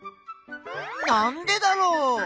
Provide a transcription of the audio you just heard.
なんでだろう？